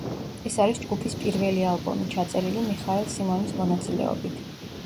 ეს არის ჯგუფის პირველი ალბომი, ჩაწერილი მიხაელ სიმონის მონაწილეობით.